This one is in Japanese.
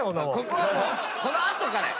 この後からよ。